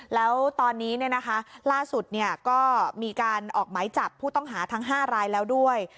แล้วตอนนี้ล่าสุดก็มีการออกหมายจับผู้ต้องหาทั้ง๕รายแล้วด้วย